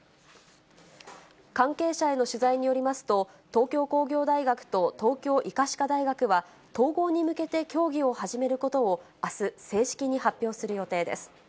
関係者への取材によりますと、東京工業大学と東京医科歯科大学は、統合に向けて協議を始めることを、あす、正式に発表する予定です。